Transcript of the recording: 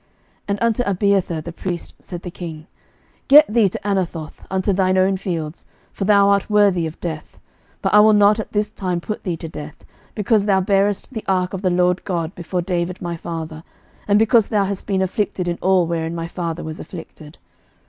11:002:026 And unto Abiathar the priest said the king, Get thee to Anathoth, unto thine own fields; for thou art worthy of death: but I will not at this time put thee to death, because thou barest the ark of the LORD God before David my father, and because thou hast been afflicted in all wherein my father was afflicted.